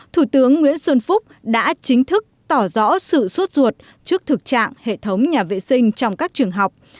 thủ tướng nguyễn xuân phúc đã chính thức tỏ rõ sự suốt ruột trước thực trạng hệ thống nhà vệ sinh trong các trường học